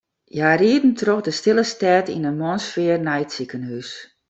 Hja rieden troch de stille stêd yn moarnssfear nei it sikehûs.